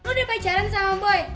lo udah pacaran sama boy